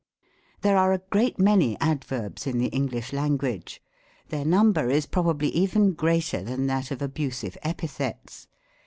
There are a great many adverbs in the English Lan guage : their number is probably even greater than that of abusive epithets.